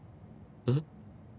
えっ？